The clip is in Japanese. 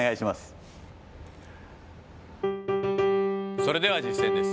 それでは実践です。